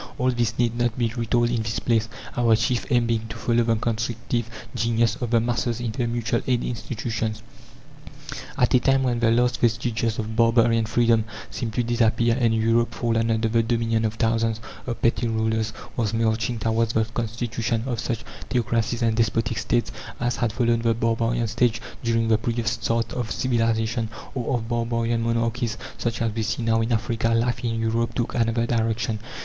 All this need not be retold in this place, our chief aim being to follow the constructive genius of the masses in their mutual aid institutions. At a time when the last vestiges of barbarian freedom seemed to disappear, and Europe, fallen under the dominion of thousands of petty rulers, was marching towards the constitution of such theocracies and despotic States as had followed the barbarian stage during the previous starts of civilization, or of barbarian monarchies, such as we see now in Africa, life in Europe took another direction.